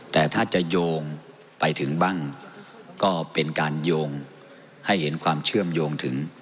แต่ถ้าจะโยงไปถึงบ้างก็เป็นการโยงให้เห็นความเชื่อมโยงถึง